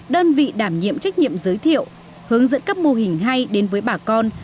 đơn vị đảm nhiệm trách nhiệm giới thiệu hướng dẫn các mô hình hay đến với bà con